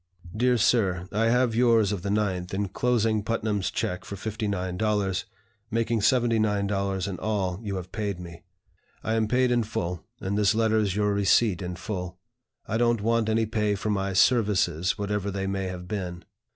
"DEAR SIR, I have yours of the 9th, inclosing Putnam's check for $59, making $79 in all you have paid me. I am paid in full, and this letter is your receipt in full. I don't want any pay for my 'services,' whatever they may have been.